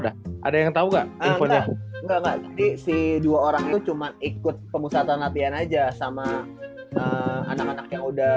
ada yang tahu nggak jadi si dua orang itu cuma ikut pemusatan latihan aja sama anak anaknya udah